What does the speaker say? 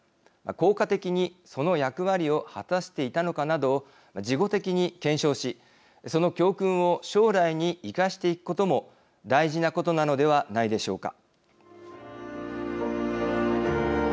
効果的にその役割を果たしていたのかなどを事後的に検証しその教訓を将来に生かしていくことも大事なことなのではないでしょうか。